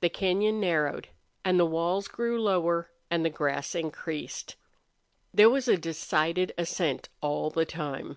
The cañon narrowed and the walls grew lower and the grass increased. There was a decided ascent all the time.